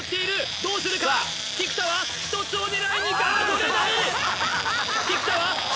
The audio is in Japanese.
どうするか菊田は１つを狙いにあっ取れない！